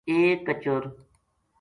ایک کچر